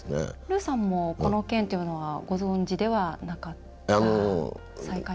ルーさんも、この件はご存じではなかった？